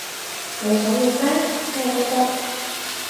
你想要咩？咩都得